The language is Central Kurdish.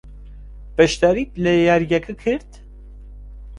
بەشداریت لە یارییەکە کرد؟